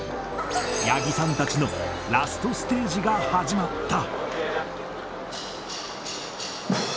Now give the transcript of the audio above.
八木さんたちのラストステージが始まった。